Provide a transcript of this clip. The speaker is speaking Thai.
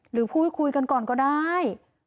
หรือพูดคุยกันก่อนก็ได้